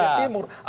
aperat tidak boleh